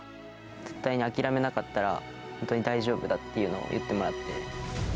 絶対に諦めなかったら、本当に大丈夫だっていうのを言ってもらって。